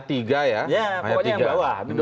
pokoknya yang bawah